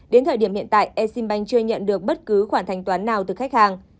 đến thời điểm hiện tại eximbank chưa nhận được bất cứ khoản thanh toán nào từ khách hàng